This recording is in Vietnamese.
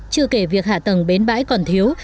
chưa kể việc hạ tầng bến bãi còn thiếu